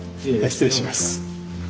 失礼します。